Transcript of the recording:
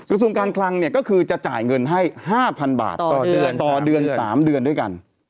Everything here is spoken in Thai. กระทรวงการคลังก็คือจะจ่ายเงินให้๕๐๐๐บาทต่อเดือน๓เดือนด้วยกัน